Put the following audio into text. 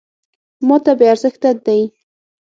.ماته بې ارزښته دی .